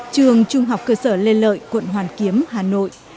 trường trung học cơ sở lê lợi quận hoàn kiếm hà nội